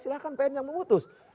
silahkan pns yang memutus